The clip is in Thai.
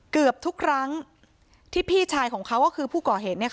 เกือบทุกครั้งที่พี่ชายของเขาก็คือผู้ก่อเหตุ